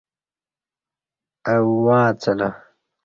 اہ اُواڅلہ